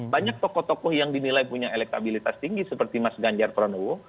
banyak tokoh tokoh yang dinilai punya elektabilitas tinggi seperti mas ganjar pranowo